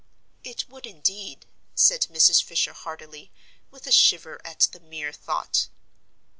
"It would, indeed," said Mrs. Fisher, heartily, with a shiver at the mere thought.